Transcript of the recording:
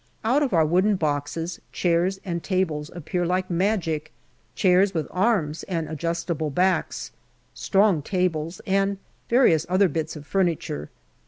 Out of our wooden boxes chairs and tables appear like magic chairs with arms and adjustable backs ; strong tables, and various other bits of furniture.